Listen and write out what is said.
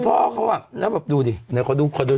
พี่ห่ำเบบียังวันนี้